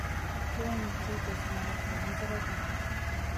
Luwayna ti usna vun gerekna.